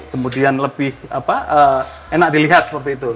kemudian lebih enak dilihat seperti itu